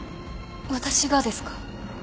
私がですか？